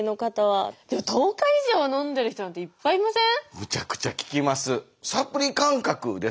むちゃくちゃ聞きます。